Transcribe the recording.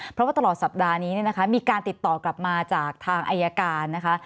เพราะว่าตลอดสัปดาห์นี้เนี่ยนะคะมีการติดต่อกลับมาจากทางอายการนะคะ